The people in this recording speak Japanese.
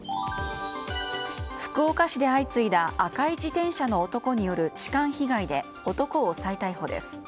福岡市で相次いだ赤い自転車の男による痴漢被害で男を再逮捕です。